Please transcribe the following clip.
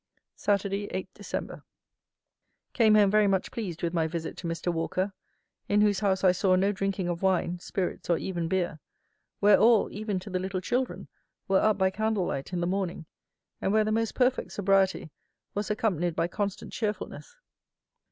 Saturday, 8 Dec. Came home very much pleased with my visit to Mr. WALKER, in whose house I saw no drinking of wine, spirits, or even beer; where all, even to the little children, were up by candle light in the morning, and where the most perfect sobriety was accompanied by constant cheerfulness.